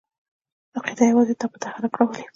عقیده یوازې تا په تحرک راولي!